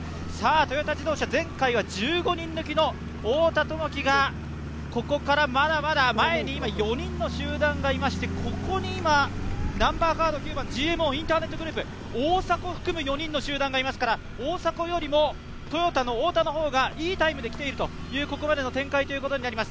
トヨタ自動車、前回は１５人抜きの太田智樹がここからまだまだ前に今４人の集団がいましてここに今、ＧＭＯインターネットグループ、大迫を含む４人の集団がいますから大迫よりもトヨタの太田の方がいいタイムで来ているという、ここまでの展開となります。